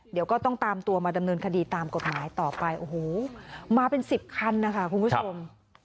เดี๋ยวก็ต้องตามตัวมาดำเนินคดีตามกฎหมายต่อไปโอ้โหมาเป็น๑๐คันนะคะคุณผู้ชม